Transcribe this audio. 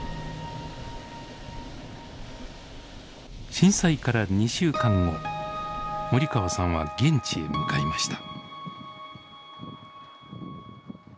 震災から２週間後森川さんは現地へ向かいました。